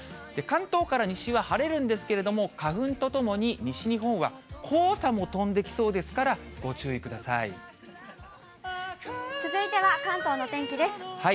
関東から西は晴れるんですけれども、花粉とともに西日本は黄砂も飛んできそうですから、ご注意くださ続いては、関東のお天気です。